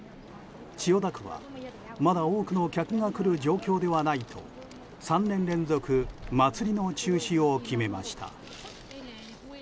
千代田区は、まだ多くの客が来る状況ではないと３年連続祭りの中止を決めました。